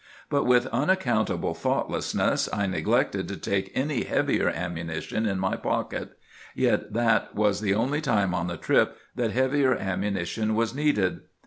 But with unaccountable thoughtlessness I neglected to take any heavier ammunition in my pocket; yet that was the only time on the trip that heavier ammunition was needed.